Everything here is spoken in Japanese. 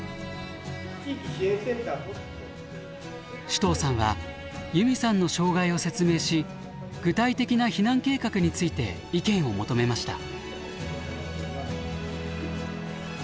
首藤さんはゆみさんの障害を説明し具体的な避難計画について意見を求めました。